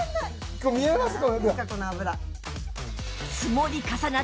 見えますか？